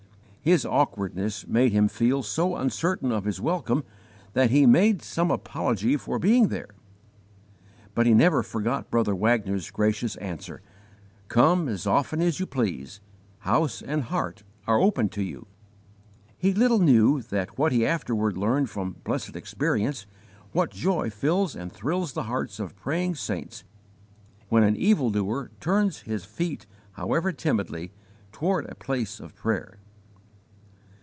His awkwardness made him feel so uncertain of his welcome that he made some apology for being there. But he never forgot brother Wagner's gracious answer: "Come as often as you please! house and heart are open to you." He little knew then what he afterward learned from blessed experience, what joy fills and thrills the hearts of praying saints when an evil doer turns his feet, however timidly, toward a place of prayer!